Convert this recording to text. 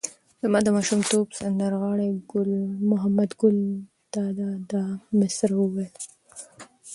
زما د ماشومتوب سندر غاړي محمد ګل دادا دا مسره ویله.